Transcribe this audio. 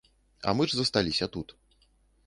А мы ж засталіся тут.